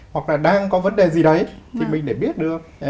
hoặc là đang có vấn đề gì đấy thì mình để biết được